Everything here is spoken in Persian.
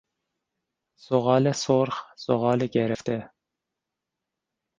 زغال سرخ، زغال گرفته